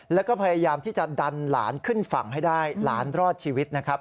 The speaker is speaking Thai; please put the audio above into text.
แล้วก็พยายามที่จะดันหลานขึ้นฝั่งให้ได้หลานรอดชีวิตนะครับ